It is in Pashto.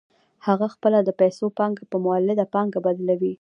هغه خپله د پیسو پانګه په مولده پانګه بدلوي